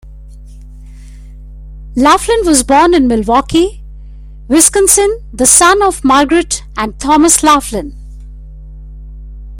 Laughlin was born in Milwaukee, Wisconsin, the son of Margaret and Thomas Laughlin.